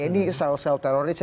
ini sel sel terorisnya